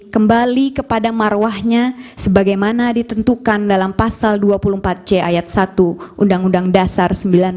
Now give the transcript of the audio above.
kembali kepada marwahnya sebagaimana ditentukan dalam pasal dua puluh empat c ayat satu undang undang dasar seribu sembilan ratus empat puluh lima